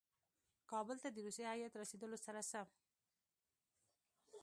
کابل ته د روسي هیات رسېدلو سره سم.